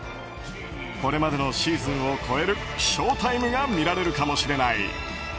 これまでのシーズンを超えるショータイムが見られるかもしれない。